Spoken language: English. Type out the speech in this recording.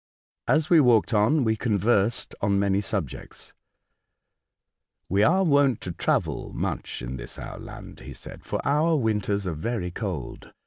As we walked on we conversed on many subjects. " We are wont to travel much in this our A Martian Instructor, 121 land," lie said, " for our winters are very cold.